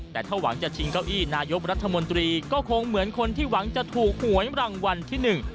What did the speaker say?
แต่ถ้าหวังจะชิงเก้าอี้นายกรัฐมนตรีก็คงเหมือนคนที่หวังจะถูกหวยรางวัลที่หนึ่ง